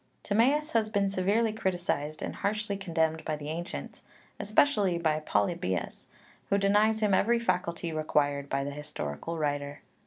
Timaeus has been severely criticised and harshly condemned by the ancients, especially by Polybius, who denies him every faculty required by the historical writer (xii.